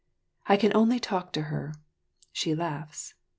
I can only talk to her; she laughs.